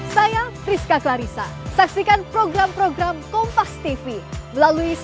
tapi karena ada proses pencernaan yang dilakukan